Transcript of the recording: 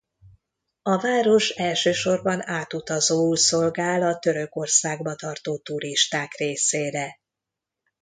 A város elsősorban átutazóul szolgál a Törökországba tartó turisták részére.